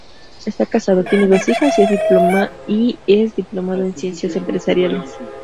Está casado, tiene dos hijas y es diplomado en ciencias empresariales.